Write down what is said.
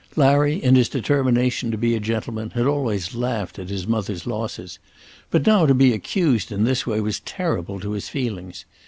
Larry, in his determination to be a gentleman, had always laughed at his mother's losses. But now to be accused in this way was terrible to his feelings!